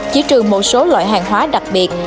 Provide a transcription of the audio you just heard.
chỉ trừ một số loại hàng hóa đặc biệt